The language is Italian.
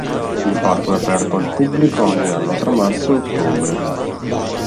Il parco è aperto al pubblico ogni anno tra marzo e ottobre.